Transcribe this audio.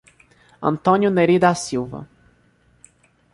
Antônio Nery da Silva